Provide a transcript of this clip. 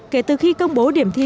kể từ khi công bố điểm thi